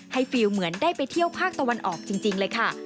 ฟิลเหมือนได้ไปเที่ยวภาคตะวันออกจริงเลยค่ะ